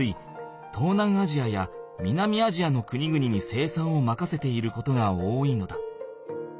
東南アジアや南アジアの国々に生産をまかせていることが多いのだ。